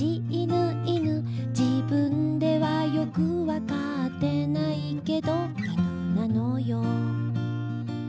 「自分ではよくわかってないけど」「犬なのよ」